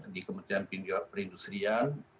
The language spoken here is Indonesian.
di kementerian perindustrian